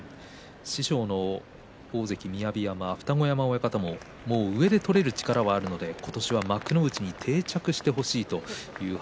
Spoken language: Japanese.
師匠の大関雅山二子山親方も上で取れる力があるので今場所幕内に定着してほしいという話。